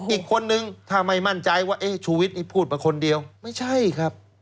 อีกคนนึงถ้าไม่มั่นใจว่าเอ๊ะชูวิทย์นี่พูดมาคนเดียวไม่ใช่ครับ